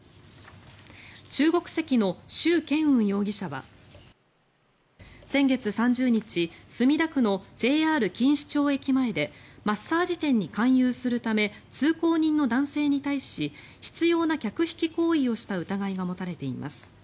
中国籍のシュウ・ケンウン容疑者は先月３０日墨田区のＪＲ錦糸町駅前でマッサージ店に勧誘するため通行人の男性に対し執ような客引き行為をした疑いが持たれています。